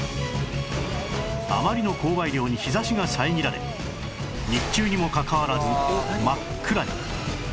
あまりの降灰量に日差しが遮られ日中にもかかわらず真っ暗に